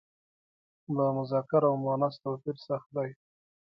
د مذکر او مونث توپیر سخت دی.